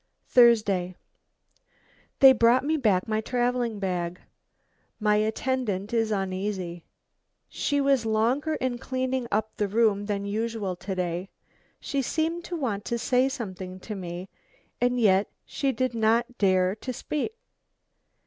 "Thursday. They brought me back my travelling bag. My attendant is uneasy. She was longer in cleaning up the room than usual to day. She seemed to want to say something to me, and yet she did not dare to speak.